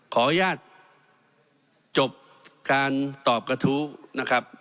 ขออนุญาตจบการตอบกระทู้นะครับ